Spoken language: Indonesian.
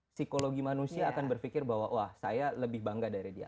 psikologi manusia akan berpikir bahwa wah saya lebih bangga dari dia